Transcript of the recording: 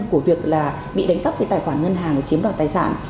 của việc bị đánh cắp với tài khoản ngân hàng chiếm đoàn tài sản